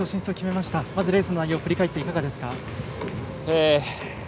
まずレースの内容振り返って、いかがですか？